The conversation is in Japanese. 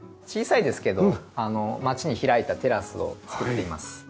小さいですけど街に開いたテラスを造っています。